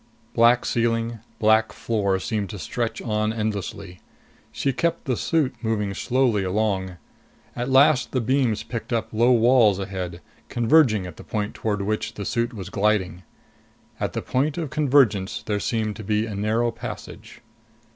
Black ceiling, black floor seemed to stretch on endlessly. She kept the suit moving slowly along. At last the beams picked up low walls ahead, converging at the point toward which the suit was gliding. At the point of convergence there seemed to be a narrow passage.